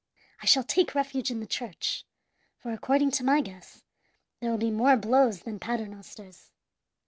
I shall take refuge in the church, for, according to my guess, there will be more blows than Paternosters.